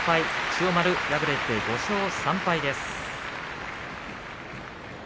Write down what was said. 千代丸、敗れて５勝３敗です。